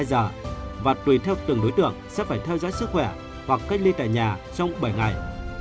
hai mươi giờ và tùy theo từng đối tượng sẽ phải theo dõi sức khỏe hoặc cách ly tại nhà trong bảy ngày